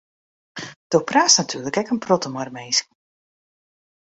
Do praatst natuerlik ek in protte mei de minsken.